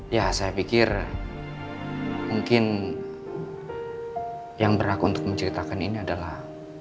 ya saya pikir mungkin yang berhak untuk menceritakan ini adalah